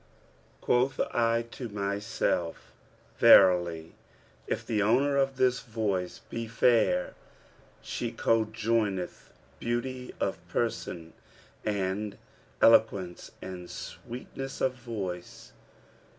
Quoth I to myself, 'Verily, if the owner of this voice be fair, she conjoineth beauty of person and eloquence and sweetness of voice.'